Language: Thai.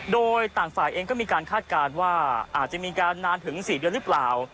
โดยต่างฝ่ายเองก็มีการคาดการณ์ว่าอาจจะมีการนานถึง๔เดือนหรือเปล่า